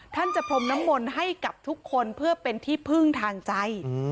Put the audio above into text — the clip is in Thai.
ท่านจะพรมน้ำมนต์ให้กับทุกคนเพื่อเป็นที่พึ่งทางใจ